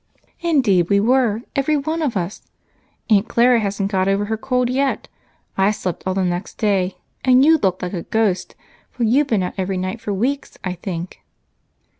"Indeed we were, every one of us! Aunt Clara hasn't gotten over her cold yet. I slept all the next day, and you looked like a ghost, for you'd been out every night for weeks, I think."